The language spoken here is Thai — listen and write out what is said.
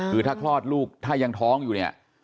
คือถ้าคลอดลูกถ้ายังท้องอยู่เนี่ย